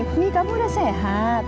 devi kamu udah sehat